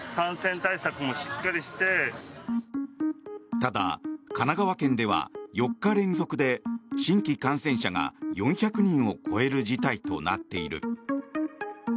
ただ、神奈川県では４日連続で新規感染者が４００人を超える事態となっている。